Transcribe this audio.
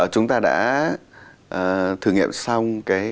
chúng ta đã thử nghiệm xong